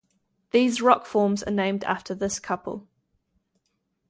These rock forms are named after this couple.